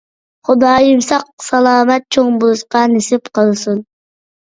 خۇدايىم ساق-سالامەت چوڭ بولۇشقا نېسىپ قىلسۇن.